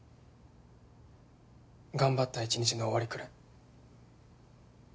頑張った一日の終わりくらい。